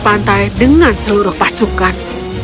pantai dengan seluruh pasukan